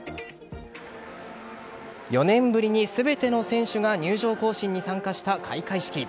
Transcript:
４年ぶりに全ての選手が入場行進に参加した開会式。